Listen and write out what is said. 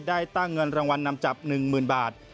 ตั้งเงินรางวัลนำจับ๑๐๐๐บาท